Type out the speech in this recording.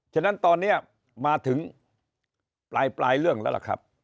ฉะนั้นตอนนี้มาถึงปลายเรื่องแล้วล่ะครับ